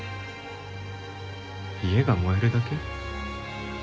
家が燃えるだけ？